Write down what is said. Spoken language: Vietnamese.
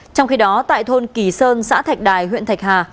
trong khi đó tại thôn kỳ sơn xã thạch đài huyện thạch hà